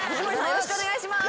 よろしくお願いします。